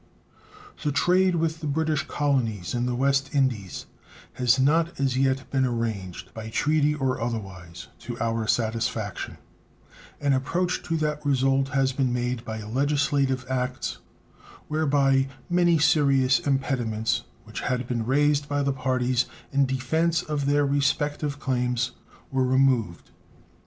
The trade with the British colonies in the West Indies has not as yet been arranged, by treaty or otherwise, to our satisfaction. An approach to that result has been made by legislative acts, whereby many serious impediments which had been raised by the parties in defense of their respective claims were removed.